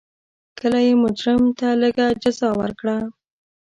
کله یې مجرم ته لږه جزا ورکړه.